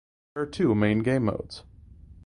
There are two main game modes.